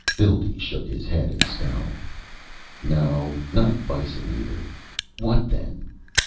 Phildee shook his head and scowled. No not bison, either. What, then?